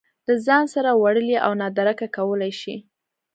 له ځان سره وړلی او نادرکه کولی شي